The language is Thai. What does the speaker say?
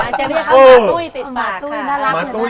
มาจะเรียกข้าวหมาตุ้ยติดปากค่ะ